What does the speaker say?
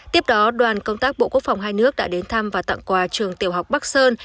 tiếp đó đoàn công tác bộ quốc phòng hai nước đã đến thăm và tặng quà trường tiểu học bắc sơn